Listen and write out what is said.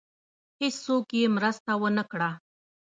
هېڅوک یې مرسته ونه کړه.